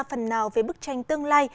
phần nào về bức tranh tương lai